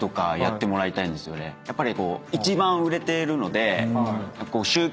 やっぱり。